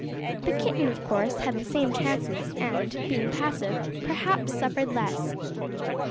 The kitten, of course, had the same chances, and, being passive, perhaps suffered less.